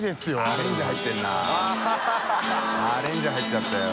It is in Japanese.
アレンジ入っちゃったよ。）